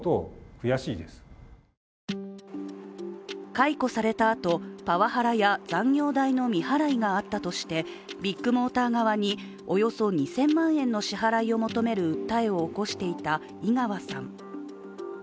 解雇されたあと、パワハラや残業代の未払いがあったとしてビッグモーター側に、およそ２０００万円の支払いを求める訴えを起こしていた井川さん。